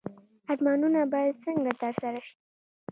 ارمانونه باید څنګه ترسره شي؟